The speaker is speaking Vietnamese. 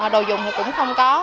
đồ dùng thì cũng không có